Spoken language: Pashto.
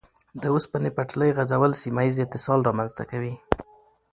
د اوسپنې پټلۍ غځول سیمه ییز اتصال رامنځته کوي.